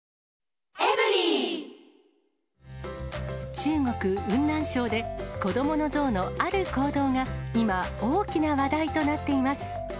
中国・雲南省で、子どものゾウのある行動が、今、大きな話題となっています。